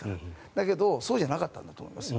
だけど、そうじゃなかったんだと思います。